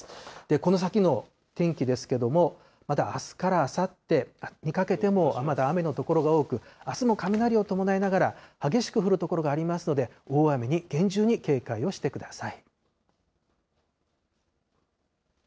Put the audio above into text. この先の天気ですけれども、またあすからあさってにかけても、まだ雨の所が多く、あすも雷を伴いながら、激しく降る所がありますので、大雨に厳重に警戒をしてください。